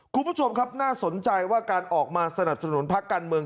คุณผู้ชมครับน่าสนใจว่าการออกมาสนับสนุนพักการเมือง